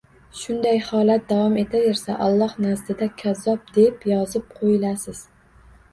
Shunday holat davom etaversa, Alloh nazdida “kazzob” deb yozib qo‘yilasiz.